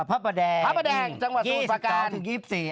พระแดงจังหวะโสภักราณทาง๒๙ถึง๒๔